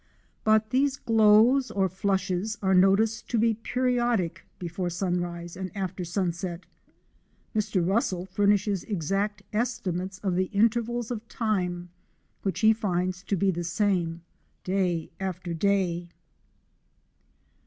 But these glows or flushes are noticed to be periodic before sunrise and after sunset. Mr. Russell furnishes exact estimates of the intervals of time, which he finds to be the same day after day.